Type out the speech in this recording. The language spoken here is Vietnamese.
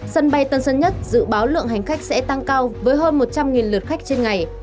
sân bay tân sơn nhất dự báo lượng hành khách sẽ tăng cao với hơn một trăm linh lượt khách trên ngày